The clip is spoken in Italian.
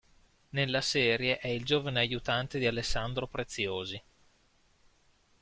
Nella serie è il giovane aiutante di Alessandro Preziosi.